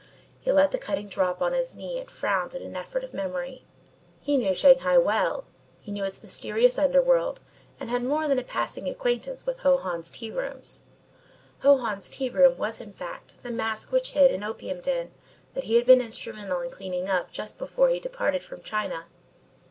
He let the cutting drop on his knee and frowned in an effort of memory. He knew Shanghai well. He knew its mysterious under world and had more than a passing acquaintance with Ho Hans's tea rooms. Ho Hans's tea room was, in fact, the mask which hid an opium den that he had been instrumental in cleaning up just before he departed from China.